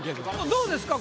どうですか？